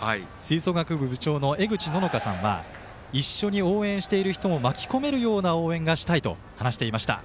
吹奏楽部部長の江口禾柑さんは一緒に応援している人も巻き込むような応援がしたいと話していました。